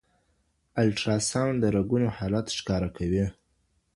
الټراساؤنډ د رګونو حالت ښکاره کوي.